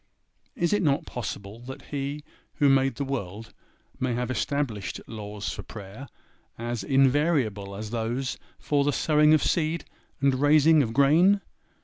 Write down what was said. Is it not possible that He who made the world may have established laws for prayer, as invariable as those for the sowing of seed and raising of grain?